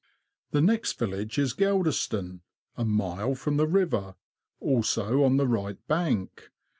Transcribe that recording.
The next village is Geldeston, a mile from the river, also on the right bank.